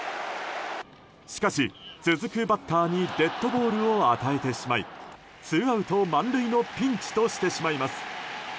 しかし、続くバッターにデッドボールを与えてしまいツーアウト満塁のピンチとしてしまいます。